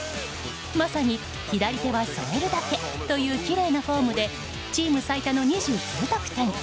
まさに左手は添えるだけというきれいなフォームでチーム最多の２９得点。